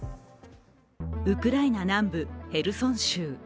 ウクライナ南部ヘルソン州。